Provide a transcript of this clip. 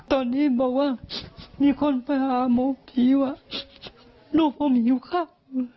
ตอนนี้บอกว่ามีใครไปหาเมาผีวะดูผมอยู่ครับดูคนอยู่ครับ